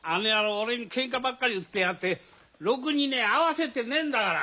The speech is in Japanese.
俺にけんかばっかり売ってやがってろくにね合わせてねえんだから。